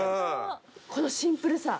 このシンプルさ。